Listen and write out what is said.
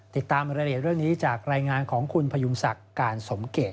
ติดตามรายละเอียดเรื่องนี้จากรายงานของคุณพยุงศักดิ์การสมเกต